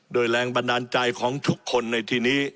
โดยแรงบันดาลใจของทุกคนในทีนี้